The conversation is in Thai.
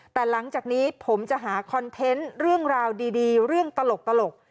แต่หลังจากนี้ผมจะหาคอนเทนต์เรื่องราวดีเรื่องตลก